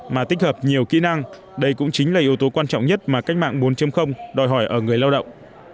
mà tích hợp nhiều kỹ năng đây cũng chính là yếu tố quan trọng nhất mà cách mạng bốn đòi hỏi ở người lao động